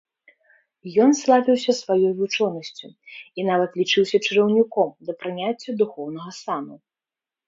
Ян славіўся сваёй вучонасцю, і нават лічыўся чараўніком, да прыняцця духоўнага сану.